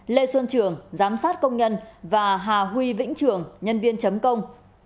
lê xuân trường giám sát công nhân và hà huy vĩnh trường nhân viên chấm công